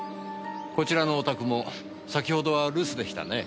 こちらのお宅も先ほどは留守でしたね。